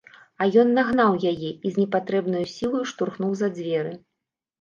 А ён нагнаў яе і з непатрэбнаю сілаю штурхнуў за дзверы.